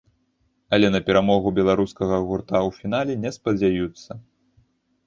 Але на перамогу беларускага гурта ў фінале не спадзяюцца.